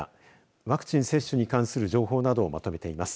ワクチン接種に関する情報などをまとめています。